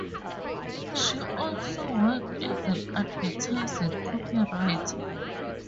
She also worked as an advertising copywriter.